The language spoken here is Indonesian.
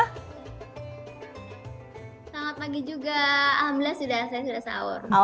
selamat pagi juga alhamdulillah saya sudah sahur